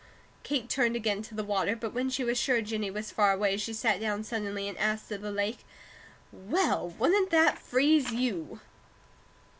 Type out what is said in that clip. Kate turned again to the water, but when she was sure Jennie was far away she sat down suddenly and asked of the lake: "Well, wouldn't that freeze you?"